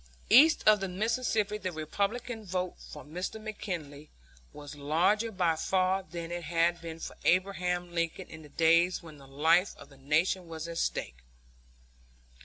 East of the Mississippi the Republican vote for Mr. McKinley was larger by far than it had been for Abraham Lincoln in the days when the life of the Nation was at stake.